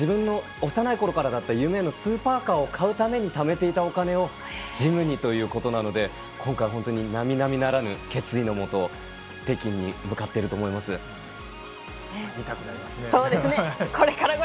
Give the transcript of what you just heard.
幼いころからの自分の夢だったスーパーカーのためにためていたお金をジムにということなので今回、本当になみなみならぬ決意のもと北京に向かっていると思います。